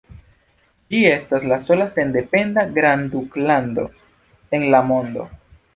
Ĝi estas la sola sendependa grandduklando en la mondo.